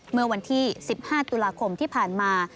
เมื่อวันที่๑๕ตุลาคมที่ผ่านมา